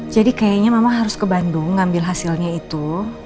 jadi kayaknya mama harus ke bandung ambil hasilnya itu